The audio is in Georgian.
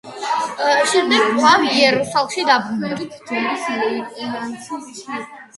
შემდეგ კვლავ იერუსალიმში დაუბრუნდა.